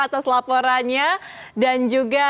atas laporannya dan juga